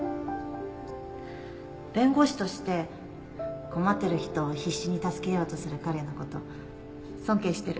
弁護士として困ってる人を必死に助けようとする彼のこと尊敬してる